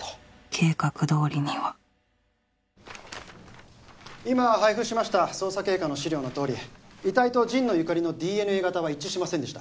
計画通りには今配布しました捜査経過の資料の通り遺体と神野由香里のＤＮＡ型は一致しませんでした。